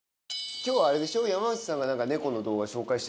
今日はあれでしょ？